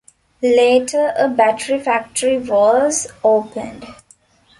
Later a battery factory was opened.